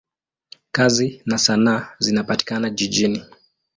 Kazi za sanaa zinapatikana jijini.